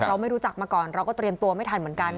ไม่รู้จักมาก่อนเราก็เตรียมตัวไม่ทันเหมือนกัน